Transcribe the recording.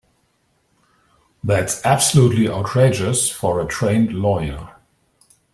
That's absolutely outrageous for a trained lawyer.